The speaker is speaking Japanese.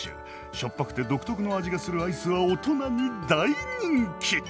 しょっぱくて独特の味がするアイスは大人に大人気！